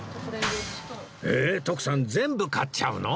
えっ徳さん全部買っちゃうの？